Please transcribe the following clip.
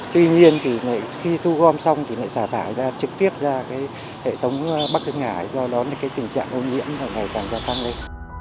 tuy nhiên thì khi thu gom xong thì người xả thải trực tiếp ra hệ thống bắc hưng hải do đó tình trạng ô nhiễm ngày càng gia tăng lên